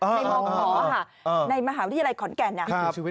ในมองหอค่ะในมหาวิทยาลัยขอนแก่นนะครับ